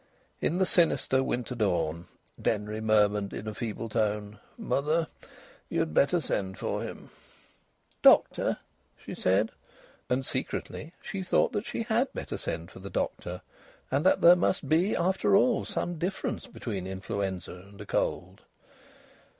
In the sinister winter dawn Denry murmured in a feeble tone: "Mother, you'd better send for him." "Doctor?" she said. And secretly she thought that she had better send for the doctor, and that there must be after all some difference between influenza and a cold.